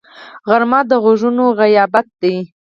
غرمه د غږونو غیابت دی